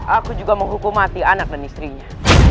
aku juga menghukum mati anak dan istrinya